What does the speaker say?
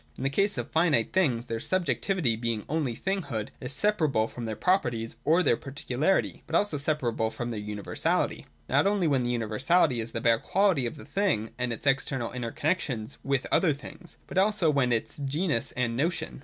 In the case of finite things their subjectivity, being only thinghood, is separable from their properties or their particularity, but also separable from their universality : not only when the universality is the bare quality of the thing and its external inter connexion with other things, but also when it is its genus and notion.